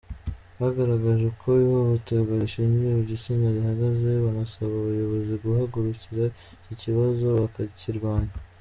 Bagaragaje uko ihohoterwa rishingiye ku gitsina rihagaze, banasaba abayobozi guhagurukira iki kibazo bakakirwanya.